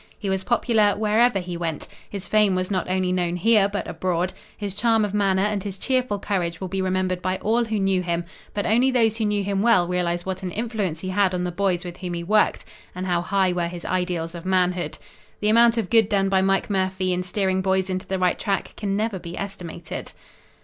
He was popular wherever he went. His fame was not only known here, but abroad. His charm of manner and his cheerful courage will be remembered by all who knew him, but only those who knew him well realize what an influence he had on the boys with whom he worked, and how high were his ideals of manhood. The amount of good done by Mike Murphy in steering boys into the right track can never be estimated."